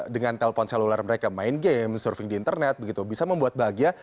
dengan telpon seluler mereka main game surfing di internet bisa membuat bahagia